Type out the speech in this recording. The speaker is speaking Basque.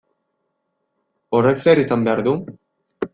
Horrek zer izan behar du?